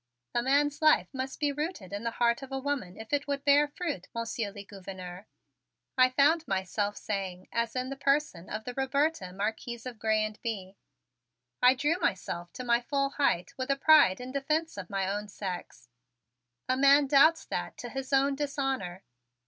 "A man's life must be rooted in the heart of a woman if it would bear fruit, Monsieur le Gouverneur," I found myself saying as in the person of the Roberta, Marquise of Grez and Bye, I drew myself to my full height with pride in defense of my own sex. "A man doubts that to his own dishonor."